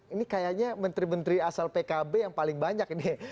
ini kayaknya menteri menteri asal pkb yang paling banyak nih